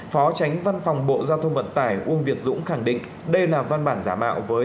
phó tránh văn phòng bộ giao thông vận tải uông việt dũng khẳng định đây là văn bản giả mạo